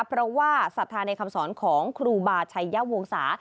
เพราะว่าศรัทธาในคำสอนของครูบาชัยวงศา